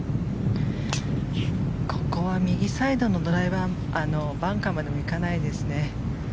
ここは右サイドのバンカーまでいかないですね。